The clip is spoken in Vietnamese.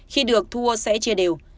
khi được thu ô sẽ chia đều